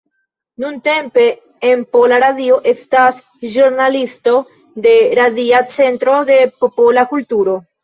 Nuntempe en Pola Radio estas ĵurnalisto de Radia Centro de Popola Kulturo.